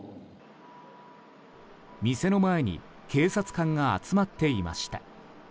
店の前に警察官が集まっていました。